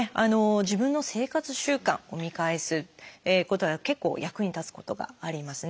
自分の生活習慣を見返すことは結構役に立つことがありますね。